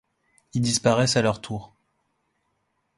Ils disparaissent à leur tour.